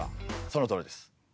そのとおりです。